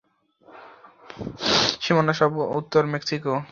সীমানার সর্ব উত্তরে মেক্সিকো এবং সর্ব দক্ষিণে আর্জেন্টিনার ভেরা অবস্থিত।